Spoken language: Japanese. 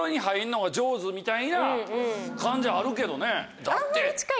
みたいな感じあるけどね。